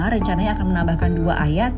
rencananya akan menambahkan dua ayat